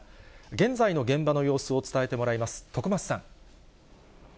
現在の現場の様子を伝えてもらいます。